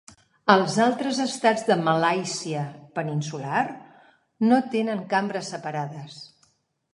Els altres estats de Malàisia Peninsular no tenen cambres separades.